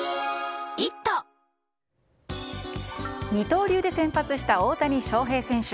二刀流で先発した大谷翔平選手。